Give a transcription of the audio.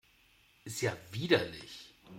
Ist ja widerlich!